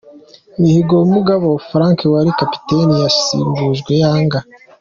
Mihigo wa Mugabo Frank wari kapiteni yasimbujwe yanga.